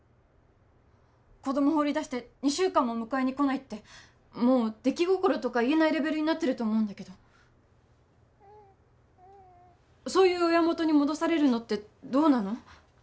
子供放り出して２週間も迎えに来ないってもう出来心とか言えないレベルになってると思うんだけどそういう親元に戻されるのってどうなの？